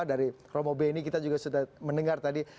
dari romo beni kita juga sudah mendengar tadi